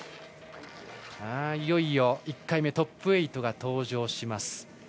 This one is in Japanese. いよいよ１回目トップ８が登場します。